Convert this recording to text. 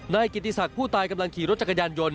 นายกิติศักดิ์ผู้ตายกำลังขี่รถจักรยานยนต์